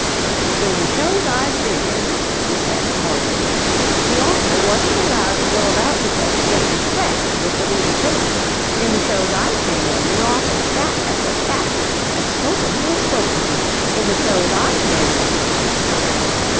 "In the shows I've been in," she said, mordantly, "the author wasn't allowed to go about the place getting fresh with the leading lady. In the shows I've been in the author sat at the back and spoke when he was spoken to. In the shows I've been in..."